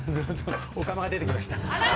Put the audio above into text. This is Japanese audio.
おかまが出てきました。